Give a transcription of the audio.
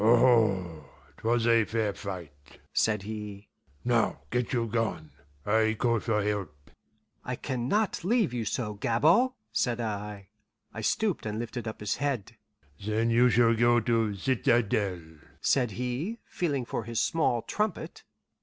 "Aho! 'twas a fair fight," said he. "Now get you gone. I call for help." "I can not leave you so, Gabord," said I. I stooped and lifted up his head. "Then you shall go to citadel," said he, feeling for his small trumpet.